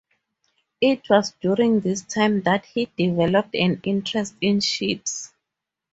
It was during this time that he developed an interest in ships.